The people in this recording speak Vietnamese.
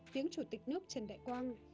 tiếng chủ tịch nước trần đại quang